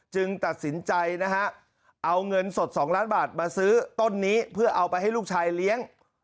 ตัดสินใจนะฮะเอาเงินสด๒ล้านบาทมาซื้อต้นนี้เพื่อเอาไปให้ลูกชายเลี้ยง